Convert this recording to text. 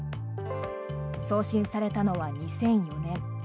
送信されたのは２００４年。